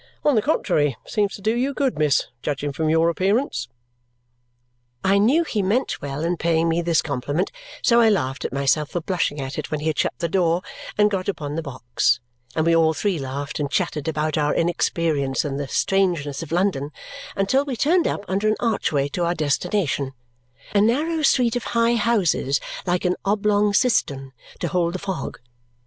"On the contrary, it seems to do you good, miss, judging from your appearance." I knew he meant well in paying me this compliment, so I laughed at myself for blushing at it when he had shut the door and got upon the box; and we all three laughed and chatted about our inexperience and the strangeness of London until we turned up under an archway to our destination a narrow street of high houses like an oblong cistern to hold the fog.